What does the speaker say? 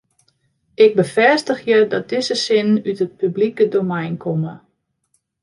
Ik befêstigje dat dizze sinnen út it publike domein komme.